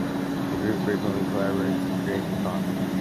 The group frequently collaborate to create new content.